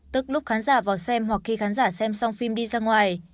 tức lúc khán giả vào xem hoặc khi khán giả xem xong phim đi ra ngoài